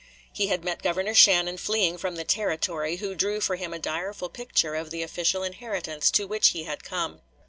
He had met Governor Shannon fleeing from the Territory, who drew for him a direful picture of the official inheritance to which he had come.